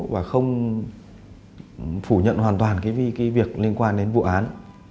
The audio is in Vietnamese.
và không phủ nhận hoàn toàn cái việc liên quan đến vụ án